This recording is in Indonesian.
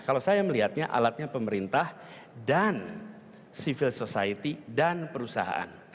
kalau saya melihatnya alatnya pemerintah dan civil society dan perusahaan